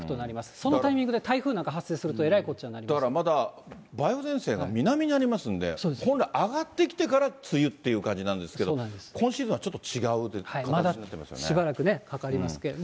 そのタイミングで台風なんか発生すると、えらいこっちゃになりまだからまだ梅雨前線が南にありますんで、本来、上がってきてから梅雨っていう感じなんですけど、今シーズンはちょっと違うという感じになってますよね。